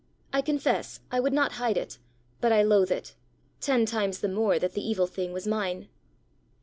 I confess, I would not hide it, but I loathe it ten times the more that the evil thing was mine."